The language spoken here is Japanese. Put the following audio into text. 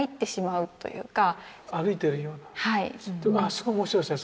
そこ面白いですね。